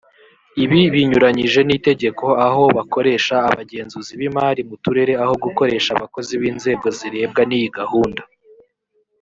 ibi binyuranyije n’itegeko aho bakoresha abagenzuzi b’imari mu turere aho gukoresha abakozi b’inzego zirebwa n’iyi gahunda